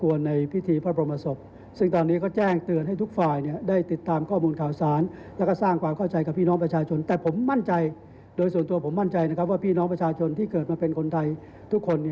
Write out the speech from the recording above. ฤษณะพัฒนาเจริญรองโคศกสำนักงานตำรวจแห่งชาติ